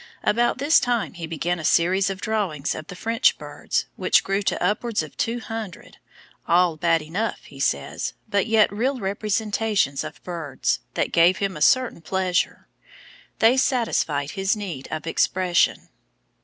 About this time he began a series of drawings of the French birds, which grew to upwards of two hundred, all bad enough, he says, but yet real representations of birds, that gave him a certain pleasure. They satisfied his need of expression.